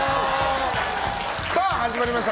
さあ、始まりました。